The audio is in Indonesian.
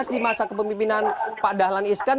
di masa kepemimpinan pak dahlan iskan